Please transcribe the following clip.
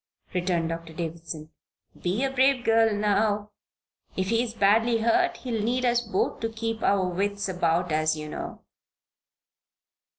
returned Doctor Davison. "Be a brave girl now. If he is badly hurt he'll need us both to keep our wits about us, you know."